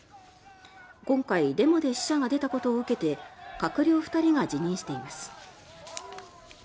今回デモで死者が出たことを受けて閣僚２人が辞任しています。